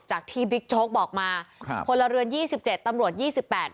จากที่บิ๊กโจ๊กบอกมาครับพลเรือนยี่สิบเจ็ดตำรวจยี่สิบแปด